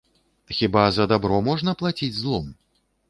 Хіба за дабро можна плаціць злом?